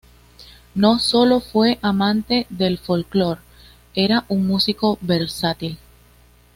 No sólo fue amante del folclor, era un músico versátil.